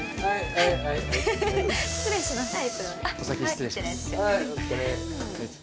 はい。